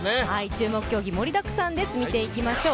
注目競技、盛りだくさんです見ていきましょう。